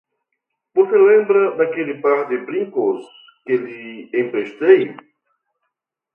Você lembra daquele par de brincos que lhe emprestei?